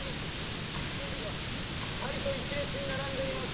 ピタリと１列に並んでいます。